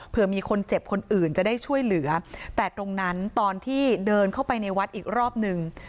เพื่อมีคนเจ็บคนอื่นจะได้ช่วยเหลือแต่ตรงนั้นตอนที่เดินเข้าไปในวัดอีกรอบนึง